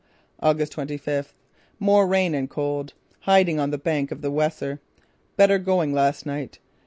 "August twenty fifth: More rain and cold. Hiding on the bank of the Weser. Better going last night.